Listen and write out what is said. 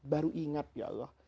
baru ingat ya allah